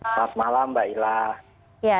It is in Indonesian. selamat malam mbak ila